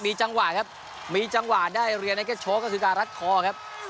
มีจังหวะครับมีจังหวะได้เรียนในครับ